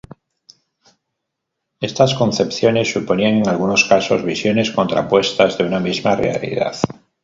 Estas concepciones suponían, en algunos casos, visiones contrapuestas de una misma realidad.